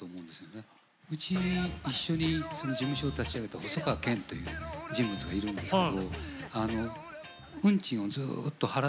うち一緒に事務所を立ち上げた細川健という人物がいるんですけど運賃をずっと払って借金が。